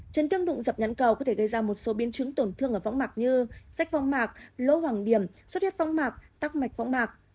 chấn thương đụng dập nhãn cầu có thể gây ra một số biến chứng tổn thương ở võng mạc như rách võng mạc lỗ hoàng điểm xuất hiếp võng mạc tắc mạch võng mạc